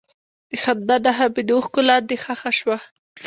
د خندا نښه مې د اوښکو لاندې ښخ شوه.